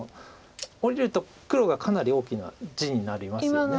下りると黒がかなり大きな地になりますよね。